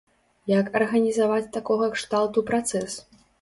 Як арганізаваць такога кшталту працэс?